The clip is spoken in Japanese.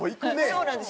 そうなんですよ。